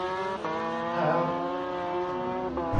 เท้า !